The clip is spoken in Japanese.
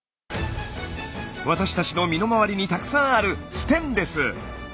私たちの身の回りにたくさんあるステンレス。